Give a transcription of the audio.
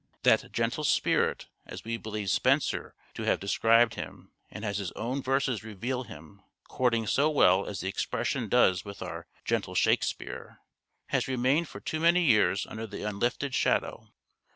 " That gentle spirit," as we believe Spenser to have described him and as his own verses reveal him (according so well as the expression does with our "Gentle Shakespeare"), has remained for too many years under the "unlifted shadow."